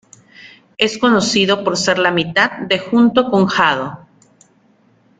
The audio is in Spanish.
Es conocido por ser la mitad de junto con Jado.